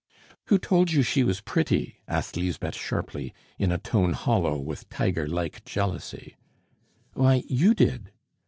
"Who told you she was pretty?" asked Lisbeth sharply, in a tone hollow with tiger like jealousy. "Why, you did."